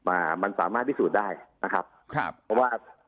มามันสามารถพิสูจน์ได้นะครับครับเพราะว่า